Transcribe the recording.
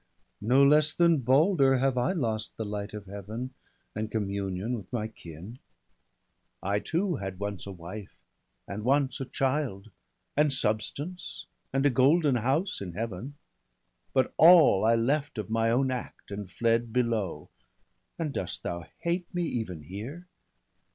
No less than Balder have I lost the light Of Heaven, and communion with my kin ; I too had once a wife, and once a child, And substance, and a golden house in Heaven — But all I left of my own act, and fled Below, and dost thou hate me even here?